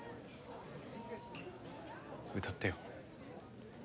歌ってよ。